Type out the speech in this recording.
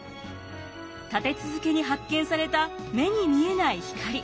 立て続けに発見された目に見えない光。